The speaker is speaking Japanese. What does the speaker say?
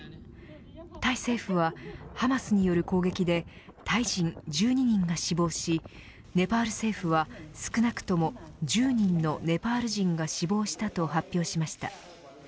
タイ政府はハマスによる攻撃でタイ人１２人が死亡しネパール政府は少なくとも１０人のネパール人が死亡したと発表しました。